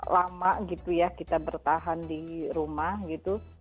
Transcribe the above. lama gitu ya kita bertahan di rumah gitu